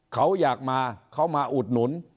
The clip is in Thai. เขาอยากมาเขามาอุดหนุน